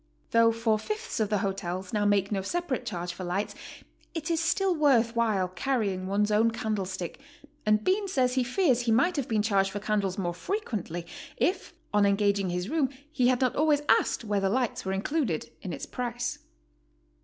Though four fifths of the hotels now make no separate charge for lights, it is still worth while carrying one's own candle stick, and Bean says he fears he might have been charged for candles more frequently if on en gaging liis room he had not always asked whether lights were included in its price.